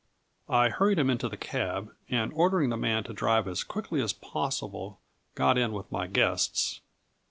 I hurried him into the cab, and ordering the man to drive as quickly as possible, got in with my guests.